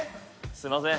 すいません。